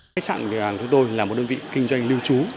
khách sạn của chúng tôi là một đơn vị kinh doanh lưu trú